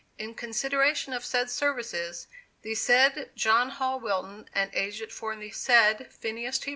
In consideration of said services, the said John Hall Wilton, as agent for the said Phineas T.